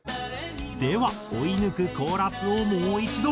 では追い抜くコーラスをもう一度。